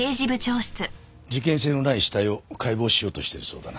事件性のない死体を解剖しようとしているそうだな？